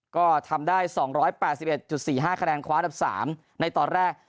ก็ทำได้๒๘๑๔๕คะแนนคว้าอันดับ๓ในตอนแรก